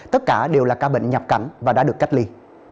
tất cả đều là ca bệnh nhập cảnh và đã được cách ly